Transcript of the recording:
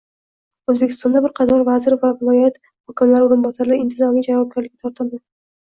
O‘zbekistonda bir qator vazir va viloyat hokimlari o‘rinbosarlari intizomiy javobgarlikka tortildi